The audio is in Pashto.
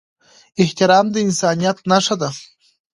احترام د انسانيت نښه ده.